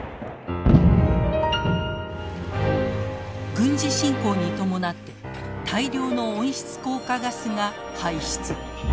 軍事侵攻に伴って大量の温室効果ガスが排出。